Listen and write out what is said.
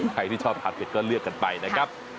ใครที่ชอบทานเผ็ดก็เลือกกันไปนะครับ